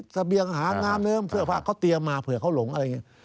เสบียงหาน้ำเนิ้มเสื้อผ้าเขาเตรียมมาเผื่อเขาหลงอะไรอย่างนี้